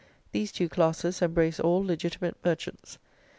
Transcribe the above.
These two classes embrace all legitimate merchants.